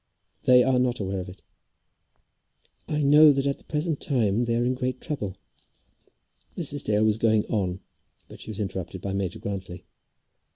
"They are not aware of it." "I know that at the present moment they are in great trouble." Mrs. Dale was going on, but she was interrupted by Major Grantly.